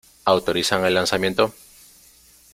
¿ Autorizan el lanzamiento?